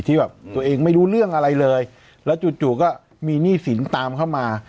ที่แบบตัวเองไม่รู้เรื่องอะไรเลยแล้วจู่ก็มีหนี้สินตามเข้ามา